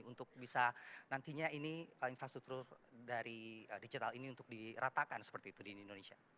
untuk bisa nantinya ini infrastruktur dari digital ini untuk diratakan seperti itu di indonesia